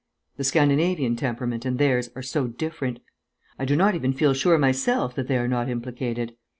The Scandinavian temperament and theirs are so different. I do not even feel sure myself that they are not implicated.